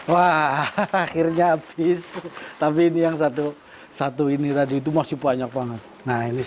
wah akhirnya habis tapi ini yang satu satu ini tadi itu masih banyak banget nah ini